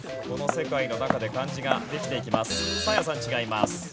この世界の中で漢字ができていきます。